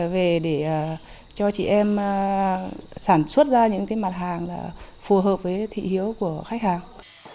về để cho chị em sản xuất ra những mặt hàng phù hợp với thị hiếu của khách hàng